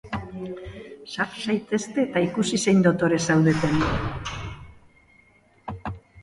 Sar zaitezte, eta ikusi zein dotore zaudeten!